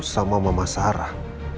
sama mama sarah